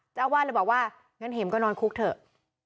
เจ้าอาวาสเลยบอกว่างั้นเห็มก็นอนคุกเถอะ